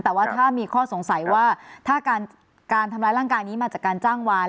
แต่ว่าถ้ามีข้อสงสัยว่าถ้าการทำร้ายร่างกายนี้มาจากการจ้างวาน